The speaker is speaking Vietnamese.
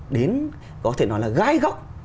đến có thể nói là gai góc